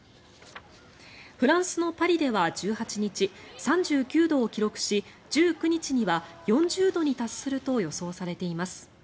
フランスのパリでは１８日３９度を記録し１９日には４０度に達すると予想されています。